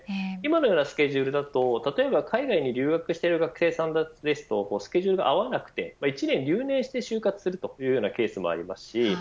今のようなスケジュールだと例えば海外に留学している学生さんなどスケジュールが合わず１年留年する就活するケースもあります。